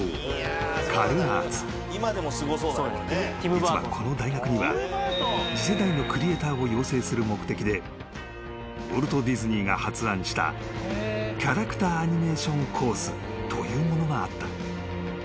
［実はこの大学には次世代のクリエーターを養成する目的でウォルト・ディズニーが発案したキャラクター・アニメーション・コースというものがあった］